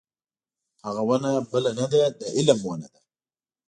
هغه ونه بله نه ده د علم ونه ده.